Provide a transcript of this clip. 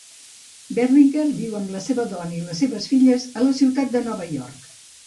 Berlinger viu amb la seva dona i les seves filles a la ciutat de Nova York.